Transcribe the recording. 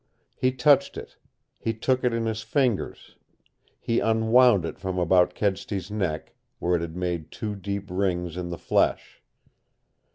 He touched it; he took it in his fingers; he unwound it from about Kedsty's neck, where it had made two deep rings in the flesh.